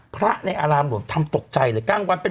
พระในอารามหลวงทำตกใจเลย